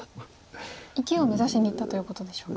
生きを目指しにいったということでしょうか。